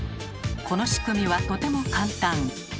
この仕組みはとても簡単。